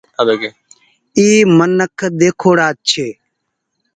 اي منک ۮيکوڙآ ڇي۔